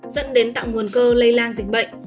dẫn đến tạo nguồn cơ lây lan dịch bệnh